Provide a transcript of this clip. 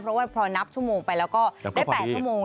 เพราะว่าพอนับชั่วโมงไปแล้วก็ได้๘ชั่วโมง